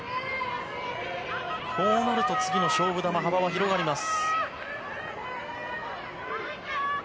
こうなると、次の勝負球の幅が広がります。